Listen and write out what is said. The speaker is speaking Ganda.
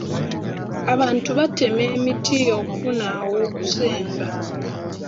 Abantu batema emiti okufuna aw'okusenga.